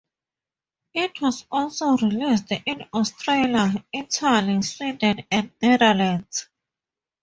It was also released in Australia, Italy, Sweden and Netherlands.